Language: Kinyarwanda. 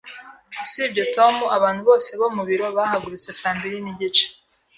Usibye Tom, abantu bose bo mu biro bahagurutse saa mbiri n'igice.